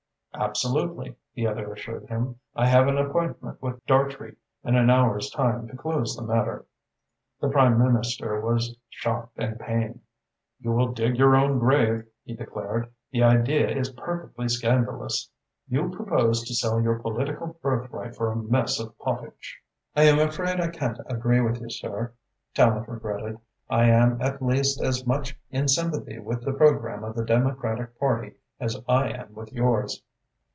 "Absolutely," the other assured him. "I have an appointment with Dartrey in an hour's time to close the matter." The Prime Minister was shocked and pained. "You will dig your own grave," he declared. "The idea is perfectly scandalous. You propose to sell your political birthright for a mess of pottage." "I am afraid I can't agree with you, sir," Tallente regretted. "I am at least as much in sympathy with the programme of the Democratic Party as I am with yours."